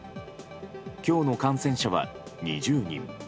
今日の感染者は２０人。